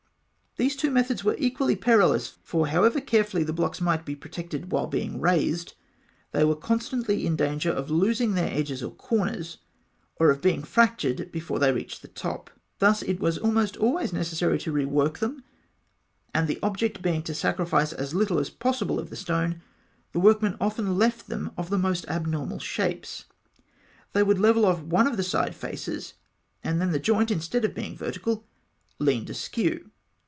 These two methods were equally perilous; for, however carefully the blocks might be protected while being raised, they were constantly in danger of losing their edges or corners, or of being fractured before they reached the top (Note 7). Thus it was almost always necessary to re work them; and the object being to sacrifice as little as possible of the stone, the workmen often left them of most abnormal shapes (fig. 52). They would level off one of the side faces, and then the joint, instead of being vertical, leaned askew.